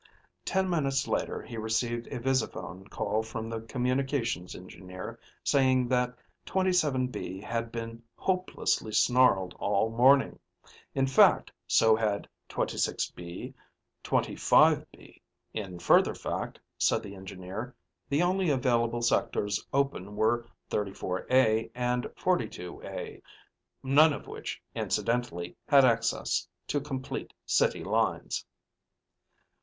Ten minutes later he received a visiphone call from the Communications Engineer saying that 27B had been hopelessly snarled all morning. In fact so had 26B, 25B. In further fact, said the engineer, the only available sectors open were 34A and 42A, none of which, incidentally, had access to complete city lines.